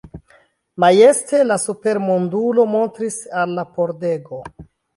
Majeste la supermondulo montris al la pordego.